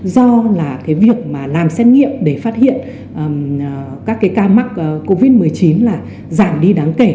do là cái việc mà làm xét nghiệm để phát hiện các cái ca mắc covid một mươi chín là giảm đi đáng kể